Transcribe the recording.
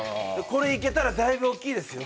これいけたらだいぶおっきいですよ